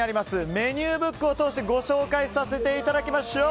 メニューブックをご紹介させていただきましょう。